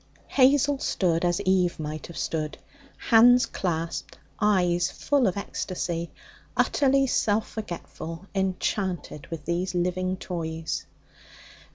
Hazel stood as Eve might have stood, hands clasped, eyes full of ecstasy, utterly self forgetful, enchanted with these living toys.